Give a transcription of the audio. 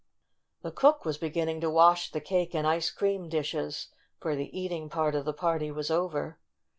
The cook was beginning to wash the cake and ice cream dishes, for the eating part of the party was over.